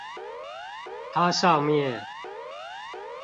它上面